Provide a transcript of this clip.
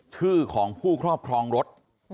ชื่อของผู้ครอบครองรถ